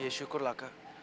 iya syukur lah kak